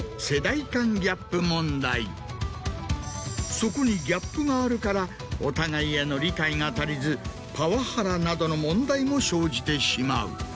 そこにギャップがあるからお互いへの理解が足りずパワハラなどの問題も生じてしまう。